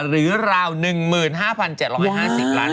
หรือราว๑๕๗๕๐ล้านบาท